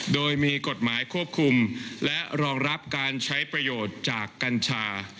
โดยมีกฎหมายควบคุมและรองรับการใช้ประโยชน์จากกัญชา